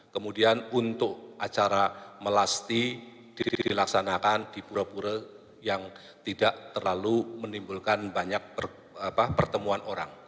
kemudian untuk acara melasti dilaksanakan di pura pura yang tidak terlalu menimbulkan banyak pertemuan orang